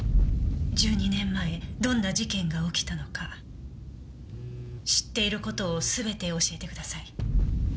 １２年前どんな事件が起きたのか知っている事を全て教えてください。